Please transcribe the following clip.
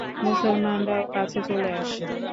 মুসলমানরাও কাছে চলে আসে।